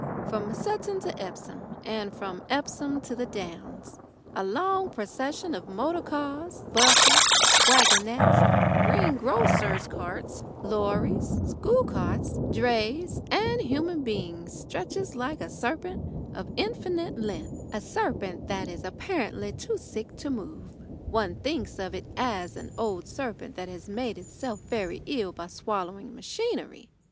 From Sutton to Epsom and from Epsom to the Downs a long procession of motor cars, buses, waggonettes, greengrocers' carts, lorries, school carts, drays, and human beings stretches like a serpent of infinite length a serpent that is apparently too sick to move. One thinks of it as an old serpent that has made itself very ill by swallowing machinery.